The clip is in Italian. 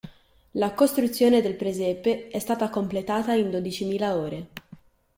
La costruzione del presepe è stata completata in dodicimila ore.